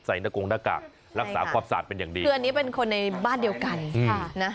หน้ากงหน้ากากรักษาความสะอาดเป็นอย่างดีคืออันนี้เป็นคนในบ้านเดียวกันค่ะนะ